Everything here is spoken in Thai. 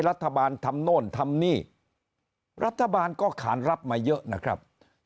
รัฐบาลทำโน่นทำนี่รัฐบาลก็ขานรับมาเยอะนะครับ